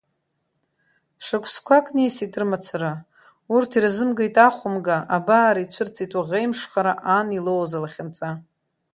Шықәсқәак ниаст рымацара, урҭ ирзымгеит ахәымга, абар ицәырҵит, уаӷеимшхара, ан илоуз алахьынҵа.